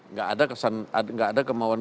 nggak ada kemauan kesan